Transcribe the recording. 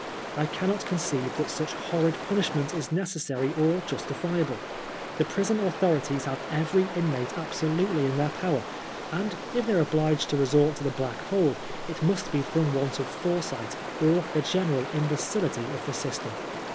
I can not conceive that smch horrid punishment is necessary or justifiable. The prison authorities have every in mate absolutely in their power, and if they are obliged to resort to the black hole, it must be from want of foresight or the general imbecility of the system.